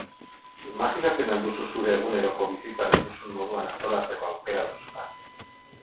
Imajinatzen al duzu zure eguneroko bizitza nahi duzun moduan antolatzeko aukera duzula?